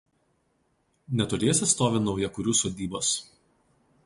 Netoliese stovi naujakurių sodybos.